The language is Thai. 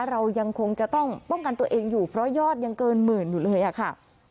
เรายังคงจะต้องป้องกันตัวเองอยู่เพราะยอดยังเกินหมื่นอยู่เลยอะค่ะ